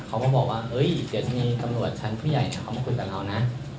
เขาก็บอกว่าเดี๋ยวจะมีตำรวจชั้นผู้ใหญ่เข้ามาคุยกับเรานะ